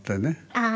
ああ